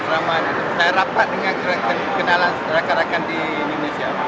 saya rapat dengan kenalan rakan rakan di indonesia